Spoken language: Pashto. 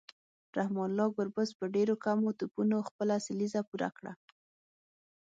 رحمان الله ګربز په ډیرو کمو توپونو خپله سلیزه پوره کړه